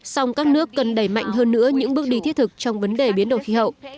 song các nước cần đẩy mạnh hơn nữa những bước đi thiết thực trong vấn đề biến đổi khí hậu